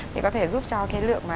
thì có thể giúp cho cái lượng